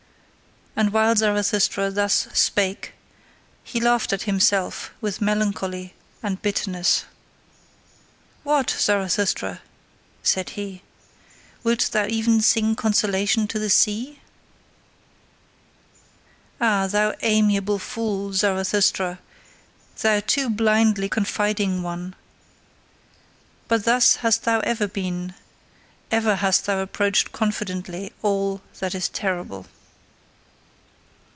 And while Zarathustra thus spake, he laughed at himself with melancholy and bitterness. What! Zarathustra, said he, wilt thou even sing consolation to the sea? Ah, thou amiable fool, Zarathustra, thou too blindly confiding one! But thus hast thou ever been: ever hast thou approached confidently all that is terrible.